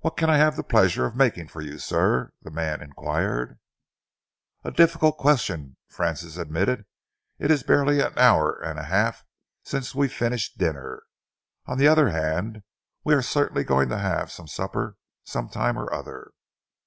"What can I have the pleasure of making for you, sir?" the man enquired. "A difficult question," Francis admitted. "It is barely an hour and a half since we finished dinner. On the other hand, we are certainly going to have some supper some time or other."